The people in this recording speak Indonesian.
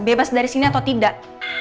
bebas dari sini atau tidak